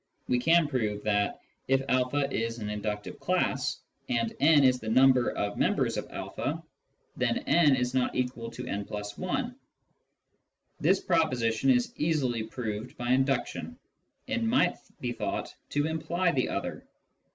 We can prove that, if a is an inductive class, and n is the number of members of a, then n is not equal to h+i. This proposition is easily proved by induction, and might be thought to imply the other.